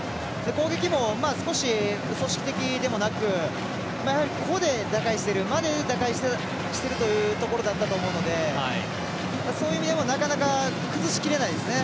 攻撃も少し組織的でもなく個で打開しているマネが打開していくところだったと思うのでそういう意味でもなかなか崩しきれないですね